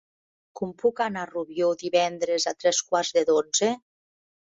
Com puc anar a Rubió divendres a tres quarts de dotze?